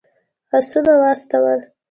آسونه واستول.